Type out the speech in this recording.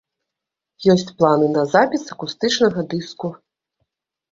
Ёсць планы на запіс акустычнага дыску.